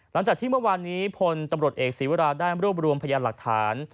หลังจากที่เมื่อวานนี้พลตำรวจเอกศีวราได้รวบรวมพยานหลักฐาน